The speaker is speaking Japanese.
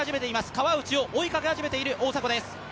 川内を追いかけ始めている大迫です。